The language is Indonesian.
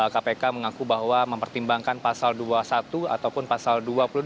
kpk mengaku bahwa mempertimbangkan pasal dua puluh satu ataupun pasal dua puluh dua